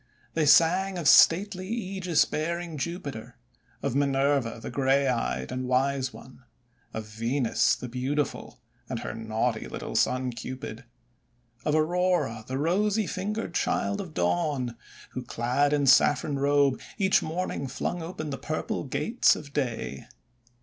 They sang of stately aegis bearing Jupiter, of Minerva the grey eyed and wise one, of Venus the Beautiful and her naughty little son Cupid, of Aurora the rosy fingered child of Dawn, who, clad in saffron robe, each morning flung open the purple Gates of Day.